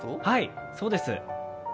はい、そうです。